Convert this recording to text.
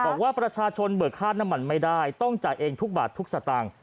บอกว่าประชาชนเบิกค่าน้ำมันไม่ได้ต้องจ่ายเองทุกบาททุกสตางค์